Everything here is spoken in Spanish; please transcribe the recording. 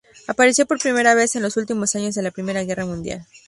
Apareció por primera vez en los últimos años de la Primera Guerra Mundial.